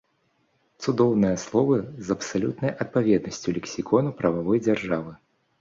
Цудоўныя словы з абсалютнай адпаведнасцю лексікону прававой дзяржавы.